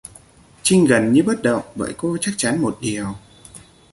Trinh gần như bất động bởi cô chắc chắn một điều